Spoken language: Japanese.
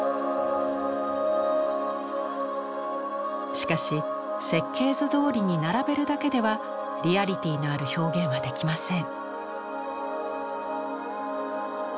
しかし設計図どおりに並べるだけではリアリティーのある表現はできません。